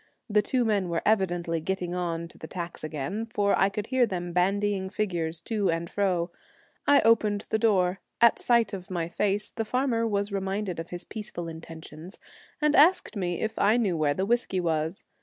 The two men were evidently getting on to the tax again, for I could hear them bandying figures to and fro. I opened the door ; at sight of my face the farmer was reminded of his peaceful intentions, and asked me if I knew where the whiskey was.